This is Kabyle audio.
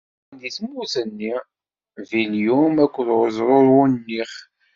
Illa daɣen di tmurt-nni, bdilyum akked uẓru n Unix.